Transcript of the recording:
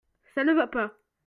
ça ne va pas.